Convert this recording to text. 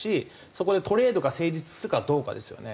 そこでトレードが成立するかどうかですよね。